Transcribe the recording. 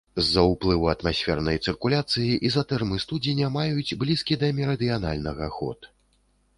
З-за ўплыву атмасфернай цыркуляцыі ізатэрмы студзеня маюць блізкі да мерыдыянальнага ход.